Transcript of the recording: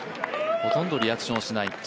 ほとんどリアクションをしない。